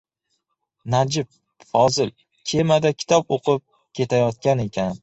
Najib Fozil kemada kitob o‘qib ketayotgan ekan.